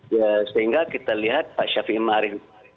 ya sehingga kita lihat pak syafiei ma'ri